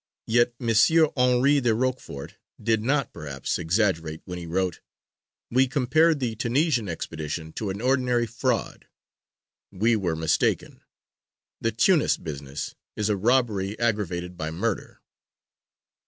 Yet M. Henri de Rochefort did not, perhaps, exaggerate when he wrote: "We compared the Tunisian expedition to an ordinary fraud. We were mistaken. The Tunis business is a robbery aggravated by murder."